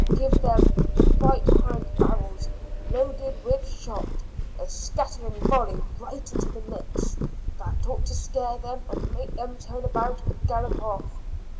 Give them the right hand barrels, loaded with shot, a scattering volley right into the midst. That ought to scare them and make them turn about and gallop off."